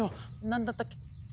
何だったっけ？